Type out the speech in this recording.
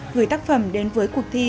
người tác phẩm đến với cuộc thi